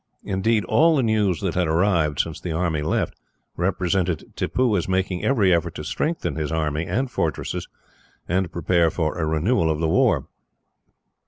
Indeed, all the news that had arrived, since the army left, represented Tippoo as making every effort to strengthen his army and fortresses, and to prepare for a renewal of the war.